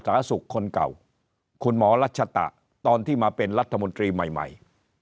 หราศุกร์คนเก่าคุณหมอรัชตะตอนที่มาเป็นรัฐมนตรีใหม่